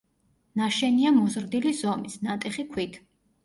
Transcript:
ნაშენია მოზრდილი ზომის, ნატეხი ქვით.